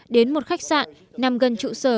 đến một khách sạn nằm gần trụ sở